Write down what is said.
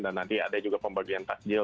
dan nanti ada juga pembagian tajil bagi yang itu